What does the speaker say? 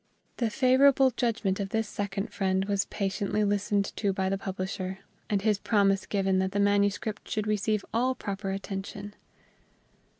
The favorable judgment of this second friend was patiently listened to by the publisher, and his promise given that the manuscript should receive all proper attention.